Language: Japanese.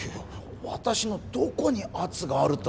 私のどこに圧があると？